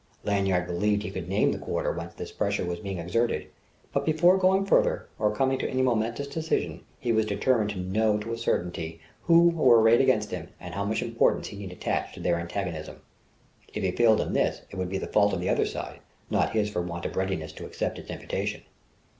Lanyard believed he could name the quarter whence this pressure was being exerted, but before going further or coming to any momentous decision, he was determined to know to a certainty who were arrayed against him and how much importance he need attach to their antagonism. If he failed in this, it would be the fault of the other side, not his for want of readiness to accept its invitation.